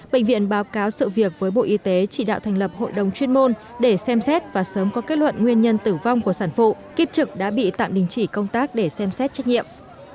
bệnh viện báo cáo sự việc với bộ y tế chỉ đạo thành lập hội đồng chuyên môn để xem xét và sớm có kết luận nguyên nhân tử vong của sản phụ kiếp trực đã bị tạm đình chỉ công tác để xem xét trách nhiệm